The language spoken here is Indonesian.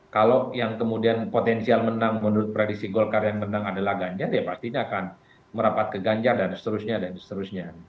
kalau yang kemudian potensial menang menurut prediksi golkar yang menang adalah ganjar ya pastinya akan merapat ke ganjar dan seterusnya